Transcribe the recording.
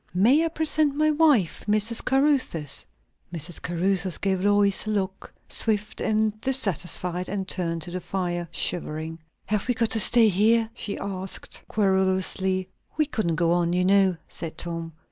"May I present my wife, Mrs. Caruthers?" Mrs. Caruthers gave Lois a look, swift and dissatisfied, and turned to the fire, shivering. "Have we got to stay here?" she asked querulously. "We couldn't go on, you know," said Tom.